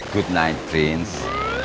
selamat malam prince